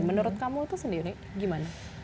menurut kamu itu sendiri gimana